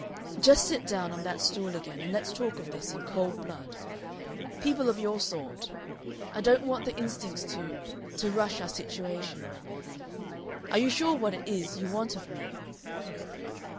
Just sit down on that stool again and let's talk of this in cold blood. People of your sort I don't want the instincts to to rush our situation. Are you sure what it is you want of me?"